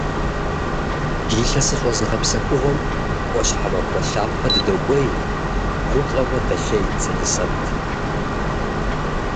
Илъэсыщӏэ зыгъэпсэхугъуэм ӏуащхьэмахуэ лъапэ дыдокӏуей, - гуфӏэурэ дэлъейт Сэлисэт.